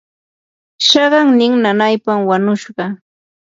chaqannin nanaypam wanushqa.